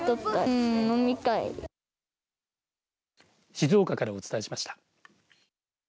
静岡からお伝えしました。